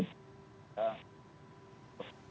ternyata dia khusus memang mengawasi supaya wasit